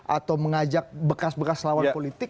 atau mengajak bekas bekas lawan politik